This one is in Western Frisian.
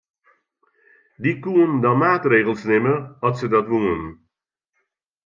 Dy koenen dan maatregels nimme at se dat woenen.